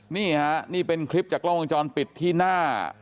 นี่ฮะนี่เป็นคลิปจากกล้องวงจรปิดที่หน้า